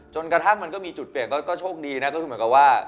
จนกระทั่งมันก็มีจุดเปลี่ยนก็โชคดีนะก็คือเหมือนกับว่า